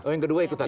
yang kedua ikutan ya